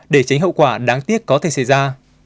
để tránh hậu quả đáng tiếc có thể xảy ra